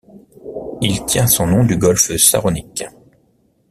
Il tient son nom du golfe Saronique.